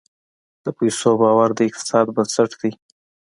د پیسو باور د اقتصاد بنسټ دی.